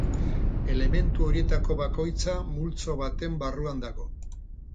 Elementu horietako bakoitza multzo baten barruan dago.